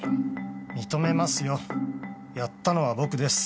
認めますよやったのは僕です。